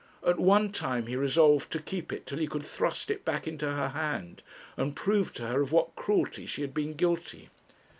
At one time he resolved to keep it till he could thrust it back into her hand, and prove to her of what cruelty she had been guilty.